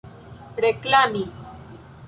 reklami